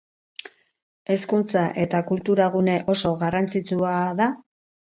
Hezkuntza- eta kultura-gune oso garrantzitsua da.